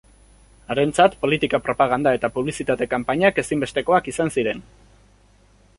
Harentzat politika-propaganda eta publizitate-kanpainak ezinbestekoak izan ziren.